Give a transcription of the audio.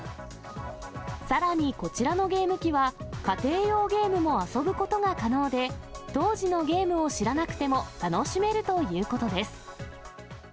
さらにこちらのゲーム機は家庭用ゲームも遊ぶことが可能で、当時のゲームを知らなくても楽しめるということです。